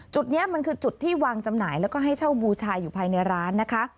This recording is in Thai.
จุดนี้มันคือจุดที่วางจำหน่ายแล้วก็ให้เช่าบูชาอยู่ภายในร้านนะคะ